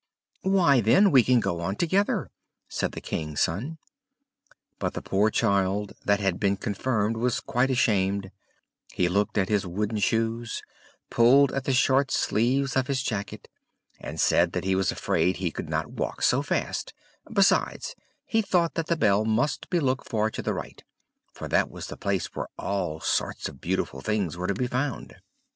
"Why, then, we can go together," said the King's Son. But the poor child that had been confirmed was quite ashamed; he looked at his wooden shoes, pulled at the short sleeves of his jacket, and said that he was afraid he could not walk so fast; besides, he thought that the bell must be looked for to the right; for that was the place where all sorts of beautiful things were to be found.